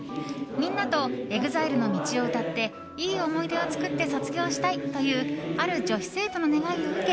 みんなとＥＸＩＬＥの「道」を歌っていい思い出を作って卒業したいというある女子生徒の願いを受け